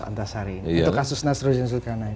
antasarudin untuk kasus nasruddin sulkarnain